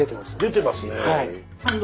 出てますね。